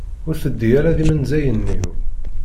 Ur teddi ara d imenzayen-iw.